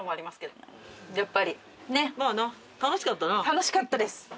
楽しかったです。